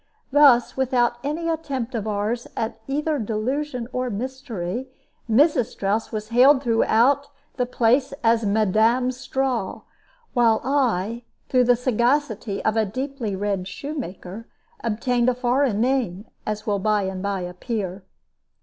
Thus, without any attempt of ours at either delusion or mystery, Mrs. Strouss was hailed throughout the place as "Madam Straw," while I, through the sagacity of a deeply read shoe maker, obtained a foreign name, as will by and by appear.